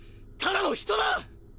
ただの人だ！！